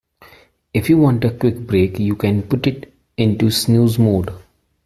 If you want a quick break you can put it into snooze mode.